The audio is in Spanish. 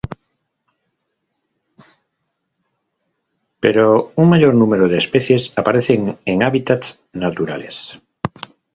Pero un mayor número de especies aparecen en hábitats naturales.